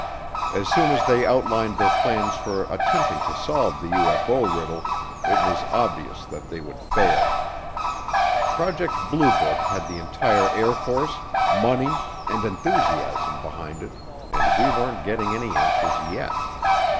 As soon as they outlined their plans for attempting to solve the UFO riddle, it was obvious that they would fail. Project Blue Book had the entire Air Force, money, and enthusiasm behind it and we weren't getting any answers yet.